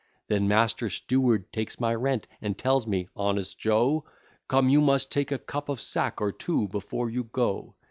Then master steward takes my rent, and tells me, "Honest Jo, Come, you must take a cup of sack or two before you go."